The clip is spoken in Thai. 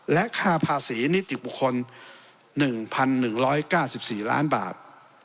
และค่าภาษีนิติบุคคล๑๑๙๔ล้านบาท